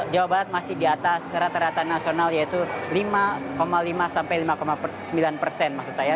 jawa barat masih di atas rata rata nasional yaitu lima lima sampai lima sembilan persen maksud saya